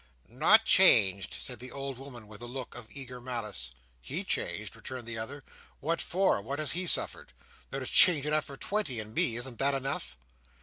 "Not changed!" said the old woman, with a look of eager malice. "He changed!" returned the other. "What for? What has he suffered? There is change enough for twenty in me. Isn't that enough?"